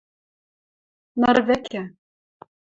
ныр вӹкӹ